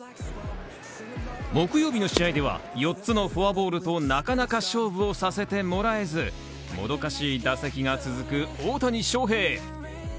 木曜日の試合では、四つのフォアボールとなかなか勝負をさせてもらえず、もどかしい打席が続く大谷翔平。